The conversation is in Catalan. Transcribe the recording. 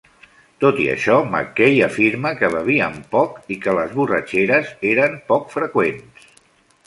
Tot i això, Mackay afirma que bevien poc i que les borratxeres eren poc freqüents.